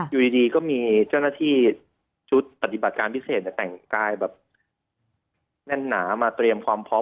อยู่ดีก็มีเจ้าหน้าที่ชุดปฏิบัติการพิเศษแต่งกายแบบแน่นหนามาเตรียมความพร้อม